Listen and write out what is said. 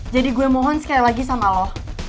jadi gue mohon sekali lagi sama lo